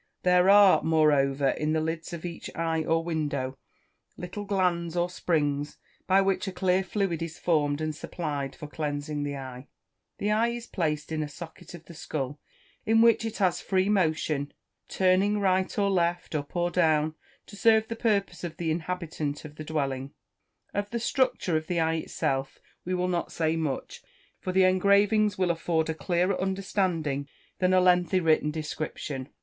There are, moreover, in the lids of each eye or window, little glands, or springs, by which a clear fluid is formed and supplied for cleansing the eye. The eye is placed in a socket of the skull, in which it has free motion, turning right or left, up or down, to serve the purpose of the inhabitant of the dwelling. Of the structure of the eye itself we will not say much, for the engravings will afford a clearer understanding than a lengthy written description.